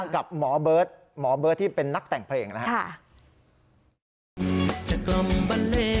กับหมอเบิร์ตหมอเบิร์ตที่เป็นนักแต่งเพลงนะครับ